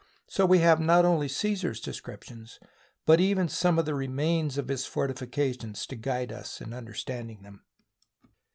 So we have not only Caesar's descriptions, but even some of the remains of his fortifications to guide us in understanding them.